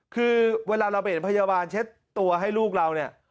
คือเวลาเราไปเห็นพยาบาลเช็ดตัวให้ลูกเราเนี่ย